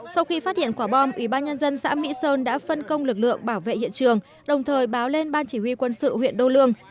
sau khi phát hiện quả bom ủy ban nhân dân xã mỹ sơn đã phân công lực lượng bảo vệ hiện trường đồng thời báo lên ban chỉ huy quân sự huyện đô lương